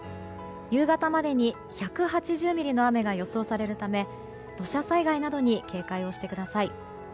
夕方までに１８０ミリの雨が予想されるため土砂災害などに警戒をしてください。